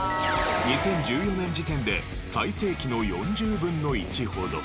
２０１４年時点で最盛期の４０分の１ほど。